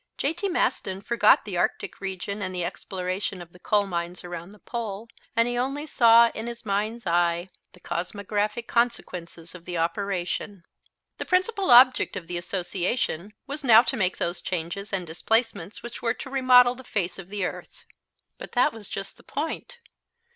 J.T. Maston forgot the Arctic region and the exploration of the coal mines around the pole, and he only saw, in his mind's eye, the cosmographic consequences of the operation. The principal object of the association was now to make those changes and displacements which were to remodel the face of the earth. But that was just the point.